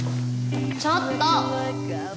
ちょっと！